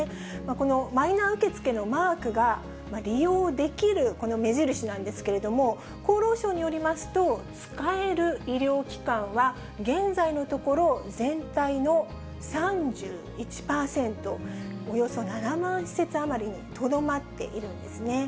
このマイナ受け付けのマークが、利用できる目印なんですけれども、厚労省によりますと、使える医療機関は、現在のところ、全体の３１％、およそ７万施設余りにとどまっているんですね。